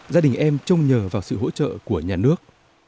gia đình em trông nhờ vào sự hỗ trợ của nhà nước